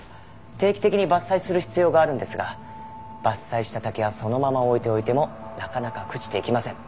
定期的に伐採する必要があるんですが伐採した竹はそのまま置いておいてもなかなか朽ちていきません。